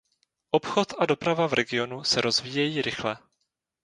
Obchod a doprava v regionu se rozvíjejí rychle.